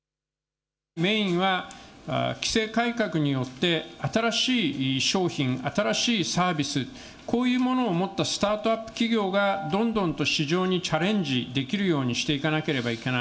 メインは、規制改革によって、新しい商品、新しいサービス、こういうものをもっと、スタートアップ企業がどんどんと市場にチャレンジできるようにしていかなければいけない。